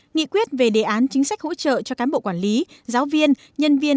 nghị quyết về đề án chính sách hỗ trợ cho cán bộ quản lý giáo viên nhân viên